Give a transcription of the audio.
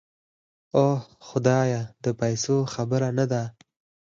اوح خدايه د پيسو خبره نده.